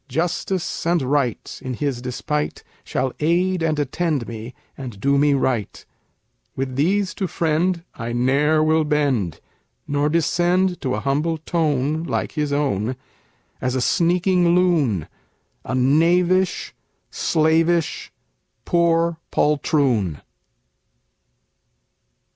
Justice and right, in his despite, Shall aid and attend me, and do me right: With these to friend, I ne'er will bend, Nor descend To a humble tone (Like his own), As a sneaking loon, A knavish, slavish, poor poltroon.